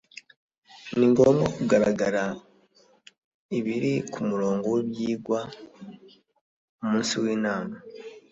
ni ngombwa kugaragara ibiri ku murongo w'ibyigwa umunsi w inama